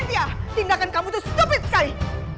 cynthia tinggalkan kamu itu stupid sekali